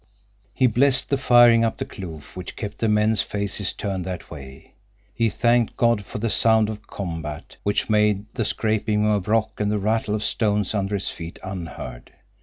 He blessed the firing up the kloof which kept the men's faces turned that way; he thanked God for the sound of combat, which made the scraping of rock and the rattle of stones under his feet unheard.